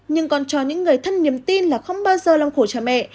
nhưng con cho những người thân niềm tin là không bao giờ long khổ cha mẹ